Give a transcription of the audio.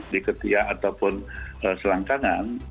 di ketia ataupun selangkangan